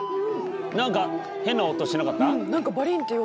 何か変な音しなかった？